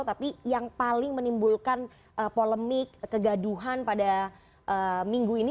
tapi yang paling menimbulkan polemik kegaduhan pada minggu ini